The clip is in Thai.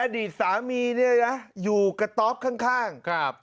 อดีตสามีอยู่กระต๊อกข้าง